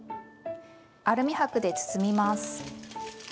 アルミ箔で包みます。